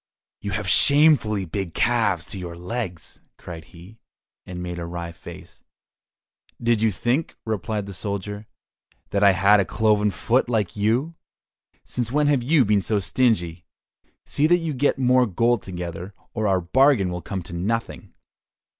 "You have shamefully big calves to your legs!" cried he, and made a wry face. "Did you think," replied the soldier, "that I had a cloven foot like you? Since when have you been so stingy? See that you get more gold together, or our bargain will come to nothing!"